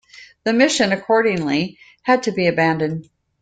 The mission, accordingly, had to be abandoned.